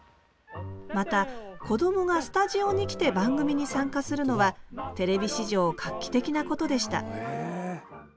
またこどもがスタジオに来て番組に参加するのはテレビ史上画期的なことでしたへえ。